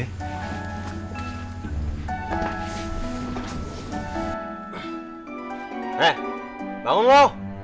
nih bangun lu